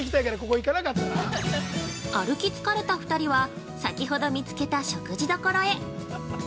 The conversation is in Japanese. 歩き疲れた２人は、先ほど見つけた食事処へ。